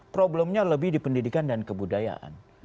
problemnya lebih di pendidikan dan kebudayaan